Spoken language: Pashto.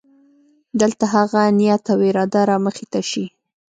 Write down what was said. دلته هغه نیت او اراده رامخې ته شي.